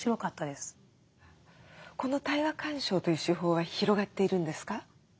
この対話鑑賞という手法は広がっているんですか？